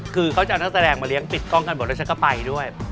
คือเขาจะเอานักแสดงมาเลี้ยปิดกล้องกันหมดแล้วฉันก็ไปด้วย